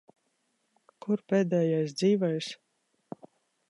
Kur pēdējais dzīvais?